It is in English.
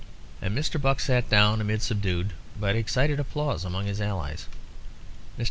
And Mr. Buck sat down amid subdued but excited applause among the allies. "Mr.